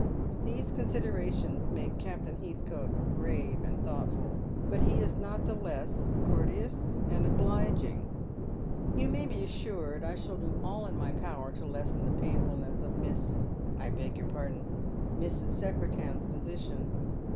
These considerations make Captain Heathcote grave and thoughtful, but he is not the less courteous and obliging. " You may be assured I shall do all in my power to lessen the painfulness of Miss — I beg your pardon — Mrs. Secretan's position.